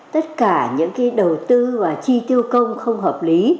tất cả những đầu tư và chi tiêu công không hợp lý